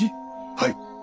はい。